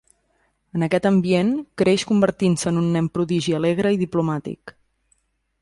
En aquest ambient, creix convertint-se en un nen prodigi alegre i diplomàtic.